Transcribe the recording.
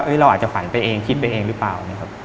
เราอาจจะฝันไปเองคิดไปเองหรือเปล่านะครับ